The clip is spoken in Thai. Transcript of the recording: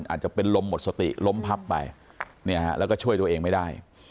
อาจจะเป็นลมหมดสติล้มพับไปเนี่ยฮะแล้วก็ช่วยตัวเองไม่ได้